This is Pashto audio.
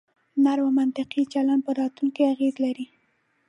نرم او منطقي چلن په راتلونکي اغیز لري.